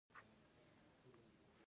ایا تیر وخت مو ځوروي؟